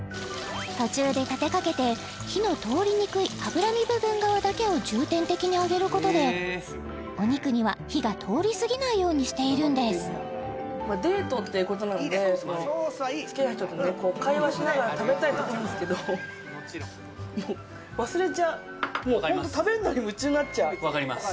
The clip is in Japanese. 途中で立てかけて火の通りにくい脂身部分側だけを重点的に揚げることでお肉には火が通り過ぎないようにしているんですデートっていうことなんで好きな人とね会話しながら食べたいとこなんすけどもう忘れちゃうホント食べるのに夢中になっちゃう分かります